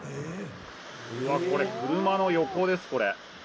これ、車の横です、これ。